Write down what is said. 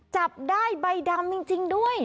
จับได้ใบดำจริงด้วย